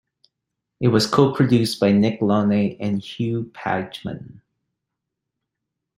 It was co-produced by Nick Launay and Hugh Padgham.